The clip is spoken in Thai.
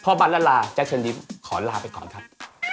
พอบัดละลาแจ๊คเชียร์นิดขอลาไปก่อนครับ